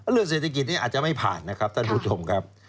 เรื่องเศรษฐกิจนี้อาจจะไม่ผ่านนะครับท่านผู้ชมครับ